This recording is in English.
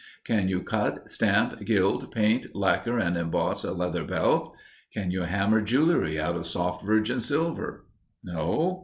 Can you cut, stamp, gild, paint, lacquer and emboss a leather belt? Can you hammer jewelry out of soft virgin silver? No?